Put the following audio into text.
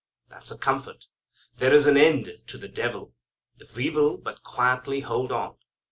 That's a comfort. There is an end to the devil if we will but quietly hold on.